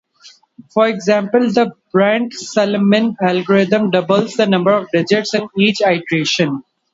For example, the Brent-Salamin algorithm doubles the number of digits in each iteration.